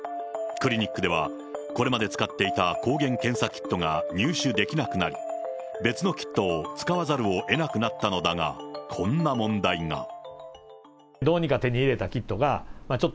クリニックでは、これまで使っていた抗原検査キットが入手できなくなり、別のキットを使わざるをえなくなったのだが、こんな問題が。